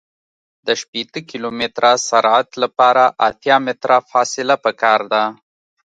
د شپیته کیلومتره سرعت لپاره اتیا متره فاصله پکار ده